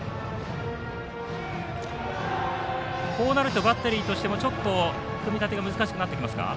こうなるとバッテリーとしても組み立てが難しくなってきますか。